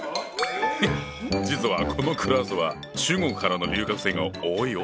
実はこのクラスは中国からの留学生が多いよ。